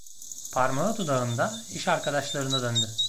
Parmağı dudağında, iş arkadaşlarına döndü.